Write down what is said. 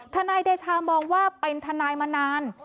ทนายเดชามองว่าเป็นทนายมานาน